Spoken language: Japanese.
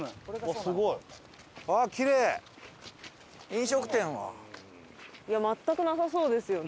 すごい！全くなさそうですよね。